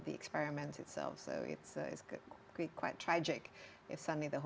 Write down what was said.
tapi apa yang harus kita jelaskan adalah